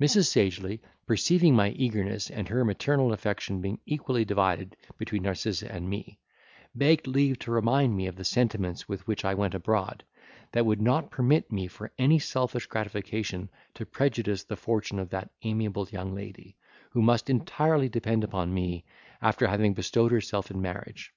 Mrs. Sagely, perceiving my eagerness, and her maternal affection being equally divided between Narcissa and me, begged leave to remind me of the sentiments with which I went abroad, that would not permit me for any selfish gratification to prejudice the fortune of that amiable young lady, who must entirely depend upon me, after having bestowed herself in marriage.